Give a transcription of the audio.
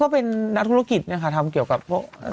เป็นนักธุรกิจเนี่ยค่ะทำเกี่ยวกับพวก